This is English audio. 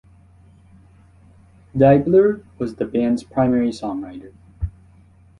Deibler was the band's primary songwriter.